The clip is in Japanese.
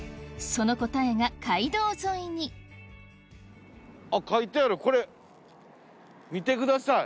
その答えが街道沿いにあっ書いてあるこれ見てください。